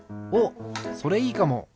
おっそれいいかも。